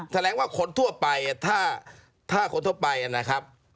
แสดงว่าคนทั่วไปถ้าคนทั่วไปนะครับ